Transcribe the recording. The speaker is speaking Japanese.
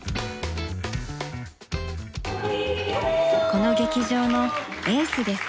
この劇場のエースです。